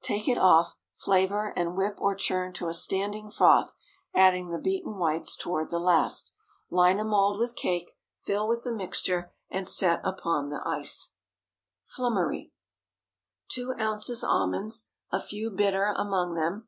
Take it off, flavor, and whip or churn to a standing froth, adding the beaten whites toward the last. Line a mould with cake, fill with the mixture, and set upon the ice. FLUMMERY. 2 oz. almonds—a few bitter among them.